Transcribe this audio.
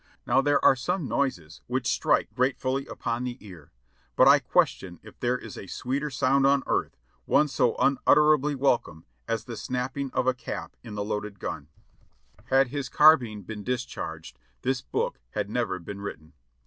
Now there are some noises which strike gratefully upon the A SCOUTING ADVENTURE ^77 ear, Ijut I question if there is a sweeter sound on earth, one so unutterably welcome as the snapping of a cap in the loaded gun; had his carbine been discharged, this book had never been written.